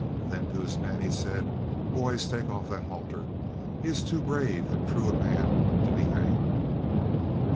Then to his men he said: "Boys, take off that halter; he is too brave and true a man to be hanged."